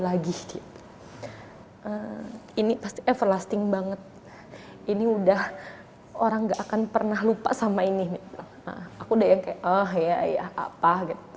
lagi jadi ini pasti everlasting banget ini udah orang nggak akan pernah lupa sama ini aku deh oh ya